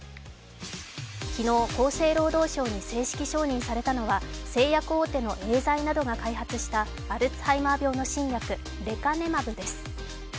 昨日、厚生労働省に正式承認されたのは製薬大手のエーザイなどが開発したアルツハイマー病の新薬レカネマブです。